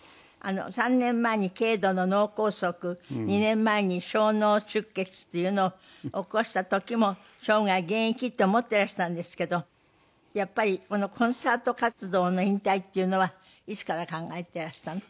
３年前に軽度の脳梗塞２年前に小脳出血っていうのを起こした時も生涯現役って思っていらしたんですけどやっぱりこのコンサート活動の引退っていうのはいつから考えていらしたの？